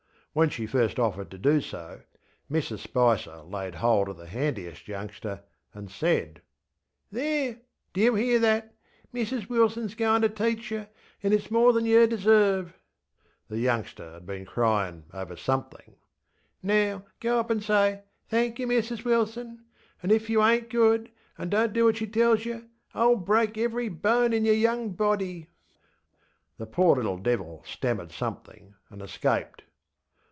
When she first offered to do so, Mrs Spicer laid hold of the handiest youngster and saidŌĆö ŌĆśThereŌĆödo you hear that? Mrs Wilson is goinŌĆÖ to teach yer, anŌĆÖ itŌĆÖs more than yer deserve! ŌĆÖ (the youngster had been ŌĆścryinŌĆÖŌĆÖ over something). ŌĆśNow, go up anŌĆÖ say ŌĆ£Thenk yer, Mrs Wilson.ŌĆØ And if yer ainŌĆÖt good, and donŌĆÖt do as she tells yer, IŌĆÖll break every bone in yer young body! ŌĆÖ The poor little devil stammered something, and escaped.